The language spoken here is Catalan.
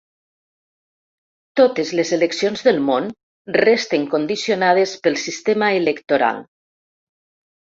Totes les eleccions del món resten condicionades pel sistema electoral.